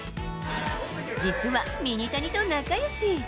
実はミニタニと仲よし。